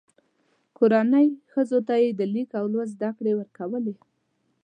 کورنۍ ښځو ته یې د لیک او لوست زده کړې ورکولې.